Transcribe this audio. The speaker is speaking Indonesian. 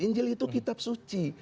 injil itu kitab suci